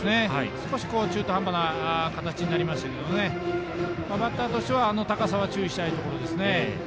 少し中途半端な形になりましたけどバッターとしては、あの高さは注意したいところですね。